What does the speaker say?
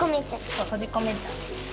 そうとじこめちゃう。